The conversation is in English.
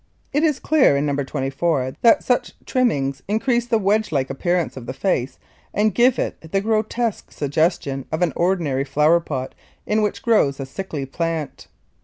It is clear, in No. 24, that such trimmings increase the wedge like appearance of the face and give it the grotesque suggestion of an ordinary flower pot in which grows a sickly plant.